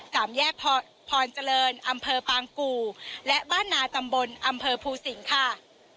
สามแยกพรเจริญอำเภอปางกู่และบ้านนาตำบลอำเภอภูสิงค่ะ